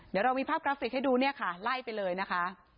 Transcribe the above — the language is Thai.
เดี๋ยวเรามีภาพกราฟิกให้ดูเนี่ยค่ะไล่ไปเลยนะคะ